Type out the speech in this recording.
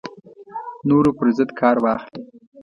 نورو پر ضد کار واخلي